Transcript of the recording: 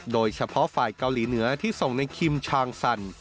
โดยเฉพาะฝ่ายเกาหลีเหนือที่ส่งในคิมชางสัน